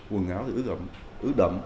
quần áo thì ước đậm